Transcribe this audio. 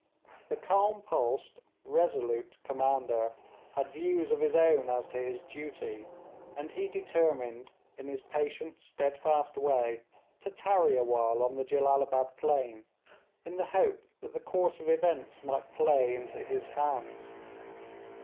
The calm pulsed, resolute commander had views of his own as to his duty, and he determined in his patient, steadfast way to tarry a while on the Jellalabad plain, in the hope that the course of events might play into his hands.